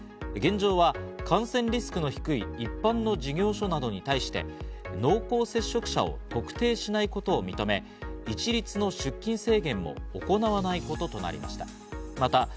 現状は感染リスクの低い一般の事業所などに対して、濃厚接触者を特定しないことを認め、一律の出勤制限を行わないこととなりました。